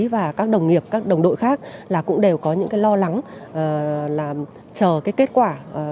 và các đồng nghiệp các đồng đội khác là cũng đều có những lo lắng chờ kết quả